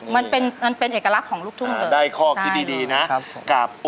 ไม่เกี่ยวกับเพลงตะกรวดคนละเพลงนะครับ